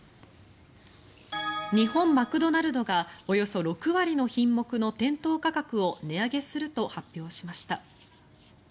日本マクドナルドがおよそ６割の品目の店頭価格を値上げすると発表しました。